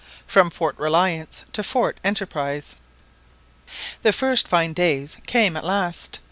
FROM FORT RELIANCE TO FORT ENTERPRISE. The first fine days came at last.